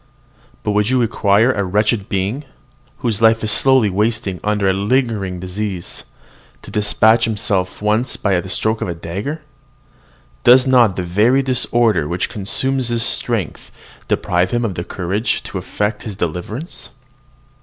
But would you require a wretched being, whose life is slowly wasting under a lingering disease, to despatch himself at once by the stroke of a dagger? Does not the very disorder which consumes his strength deprive him of the courage to effect his deliverance?